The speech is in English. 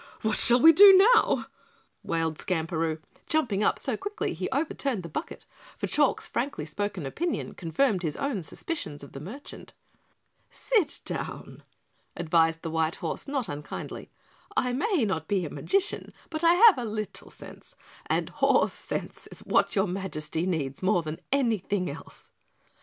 What shall we do now?" wailed Skamperoo, jumping up so quickly he overturned the bucket, for Chalk's frankly spoken opinion confirmed his own suspicions of the merchant. "Sit down," advised the white horse, not unkindly. "I may not be a magician, but I have a little sense, and horse sense is what your Majesty needs more than anything else."